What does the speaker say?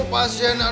bapak teman teman